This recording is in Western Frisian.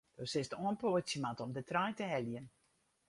Do silst oanpoatsje moatte om de trein te heljen.